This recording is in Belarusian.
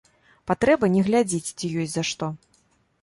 Патрэба не глядзіць, ці ёсць за што.